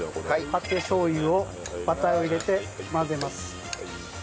パテしょう油をバターを入れて混ぜます。